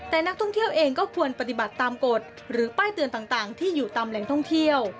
แต่นักท่องเที่ยวเองก็ควรปฏิบัติตามกฎหรือป้ายเตือนต่างที่อยู่ตามแหล่งท่องเที่ยว